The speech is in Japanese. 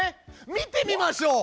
見てみましょう。